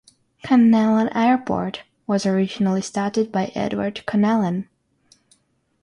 Connellan Airport was originally started by Edward Connellan.